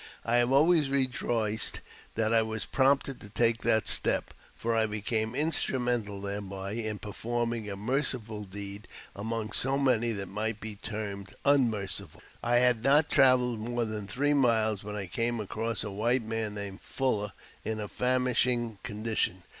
I have always rejoiced that I was prompted to take that step, for I became instrumental thereby in per forming a merciful deed among so many that might be termed unmerciful. I had not travelled more than three miles when I came across a white man, named Fuller, in a famishing condition.